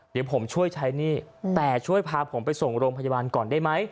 เดี๋ยวผมช่วยใช้หนี้แต่ช่วยพาผมไปส่งโรงพยาบาลก่อนได้ไหม